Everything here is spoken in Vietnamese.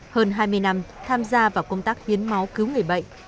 hơn hai mươi năm tham gia vào công tác hiến máu cứu người bệnh